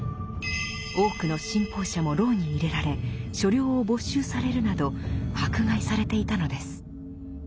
多くの信奉者も牢に入れられ所領を没収されるなど迫害されていたのです。